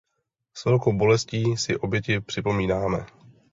S velkou bolestí si oběti připomínáme.